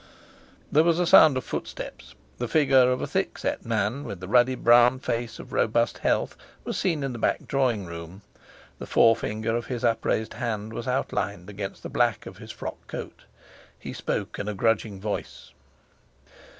There was a sound of footsteps. The figure of a thick set man, with the ruddy brown face of robust health, was seen in the back drawing room. The forefinger of his upraised hand was outlined against the black of his frock coat. He spoke in a grudging voice.